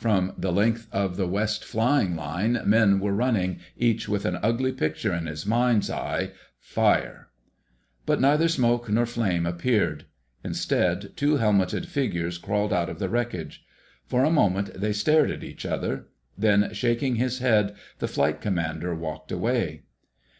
From the length of the West Flying Line men were running, each with an ugly picture in his mind's eye—fire! But neither smoke nor flame appeared. Instead, two helmeted figures crawled out of the wreckage. For a moment they stared at each other. Then, shaking his head, the Flight Commander walked away.